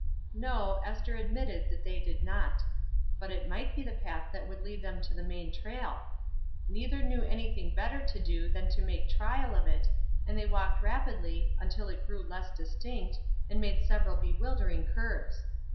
No, Esther admitted that they did not. But it might be the path that would lead them to the main trail. Neither knew anything better to do than make trial of it, and they walked rapidly, until it grew less distinct, and made several bewildering curves.